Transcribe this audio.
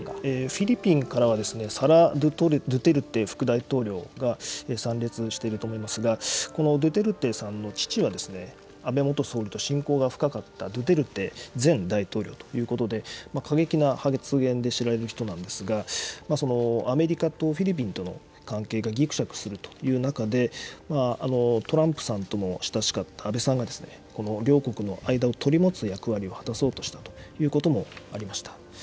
フィリピンからはサラ・ドゥテルテ副大統領が参列していると思いますが、このドゥテルテさんの父は、安倍元総理と親交が深かったドゥテルテ前大統領ということで、過激な発言で知られる人なんですが、アメリカとフィリピンとの関係がぎくしゃくするという中で、トランプさんとも親しかった安倍さんが、両国の間を取り持つ役割を果たそうとしたということもありました。